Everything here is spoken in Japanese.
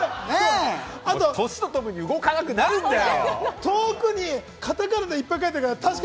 歳とともに動かなくなるんだよ。